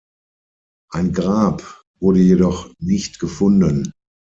Ein Grab wurde jedoch nicht gefunden.